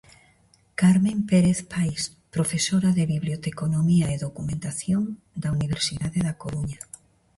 Carmen Pérez Pais, profesora de Biblioteconomía e Documentación da Universidade da Coruña.